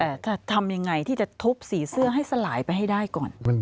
แต่จะทำยังไงที่จะทุบสีเสื้อให้สลายไปให้ได้ก่อน